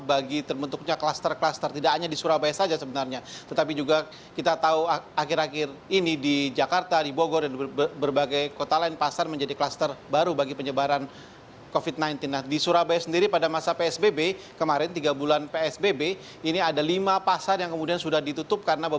apa aturannya diberlakukan